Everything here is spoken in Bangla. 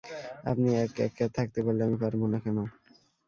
আপনি এক-একা থাকতে পারলে আমি পারব না কেন?